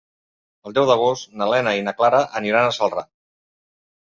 El deu d'agost na Lena i na Clara aniran a Celrà.